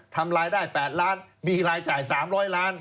ทำรายได้๘ล้านมีรายจ่าย๓๐๐ล้าน